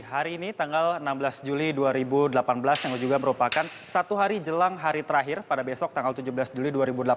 hari ini tanggal enam belas juli dua ribu delapan belas yang juga merupakan satu hari jelang hari terakhir pada besok tanggal tujuh belas juli dua ribu delapan belas